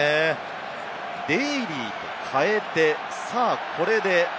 デイリーと代えて、さぁこれで。